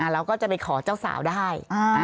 เราก็จะไปขอเจ้าสาวได้